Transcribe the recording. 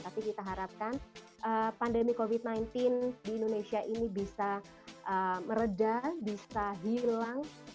tapi kita harapkan pandemi covid sembilan belas di indonesia ini bisa meredah bisa hilang